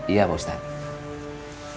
iya pak ustadz